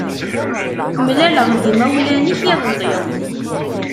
Mlaleɣ-d imawlan-ik iḍelli.